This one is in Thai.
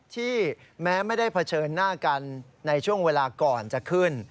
ที่แม้ไม่ได้เผชิญหน้ากันในช่วงเวลาก่อนจะขึ้น